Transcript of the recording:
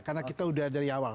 karena kita sudah dari awal